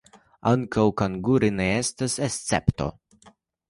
Ankaŭ Kanaguri ne estis escepto.